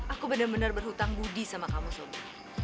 aku benar benar berhutang budi sama kamu semua